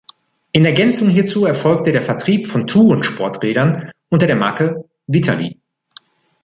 In Ergänzung hierzu erfolgte der Vertrieb von Touren-Sporträdern unter der Marke „Vitali“.